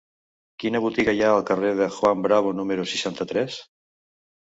Quina botiga hi ha al carrer de Juan Bravo número seixanta-tres?